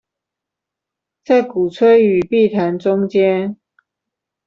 在鼓吹與避談中間